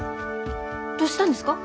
どうしたんですか？